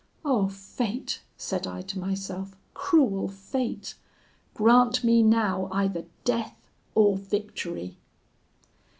'Oh fate!' said I to myself, 'cruel fate! grant me now either death or victory.'